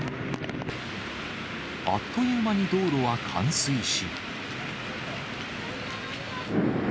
あっという間に道路は冠水し。